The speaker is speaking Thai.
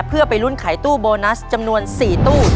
เพื่อไปลุ้นขายตู้โบนัสจำนวน๔ตู้